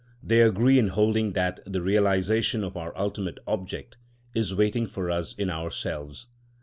They agree in holding that the realisation of our ultimate object is waiting for us in ourselves.